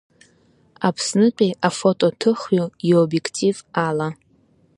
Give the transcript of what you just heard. Аԥснытәи афотоҭыхҩы иобиектив ала.